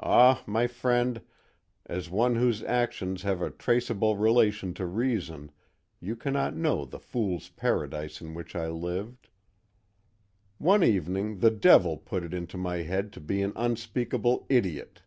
Ah, my friend, as one whose actions have a traceable relation to reason, you cannot know the fool's paradise in which I lived. "One evening the devil put it into my head to be an unspeakable idiot.